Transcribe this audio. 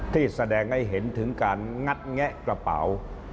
ที่แสดงให้เห็นถึงการงัดแงะกระเป๋า